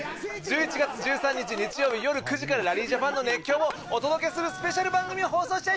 １１月１３日日曜よる９時からラリージャパンの熱狂をお届けするスペシャル番組を放送しちゃいます！